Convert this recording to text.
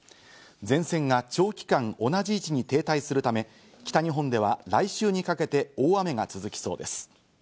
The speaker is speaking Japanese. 前線が長期間、同じ位置に停滞するため、北日本では来週にかけて大雨が続きそうです。